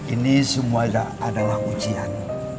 ini semua adalah ujian